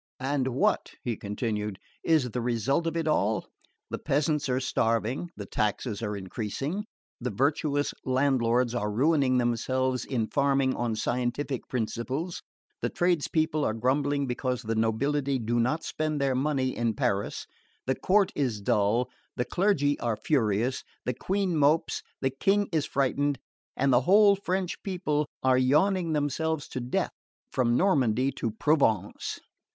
And what," he continued, "is the result of it all? The peasants are starving, the taxes are increasing, the virtuous landlords are ruining themselves in farming on scientific principles, the tradespeople are grumbling because the nobility do not spend their money in Paris, the court is dull, the clergy are furious, the Queen mopes, the King is frightened, and the whole French people are yawning themselves to death from Normandy to Provence."